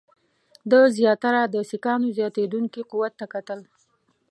ده زیاتره د سیکهانو زیاتېدونکي قوت ته کتل.